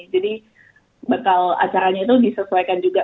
jadi bakal acaranya itu disesuaikan juga